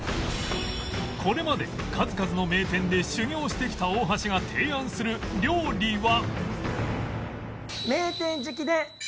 これまで数々の名店で修業してきた大橋が提案する料理は